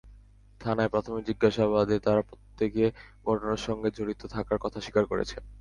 থানায় প্রাথমিক জিজ্ঞাসাবাদে তাঁরা প্রত্যেকে ঘটনার সঙ্গে জড়িত থাকার কথা স্বীকার করেছেন।